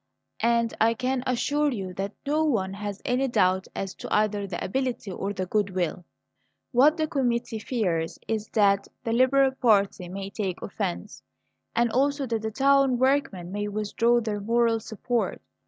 "And I can assure you that no one has any doubt as to either the ability or the good will. What the committee fears is that the liberal party may take offence, and also that the town workmen may withdraw their moral support.